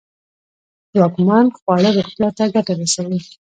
ځواکمن خواړه روغتیا ته گټه رسوي.